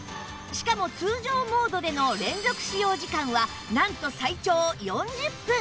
しかも通常モードでの連続使用時間はなんと最長４０分！